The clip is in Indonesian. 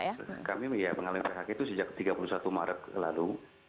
kami mengalami phk itu sejak tiga puluh satu maret lalu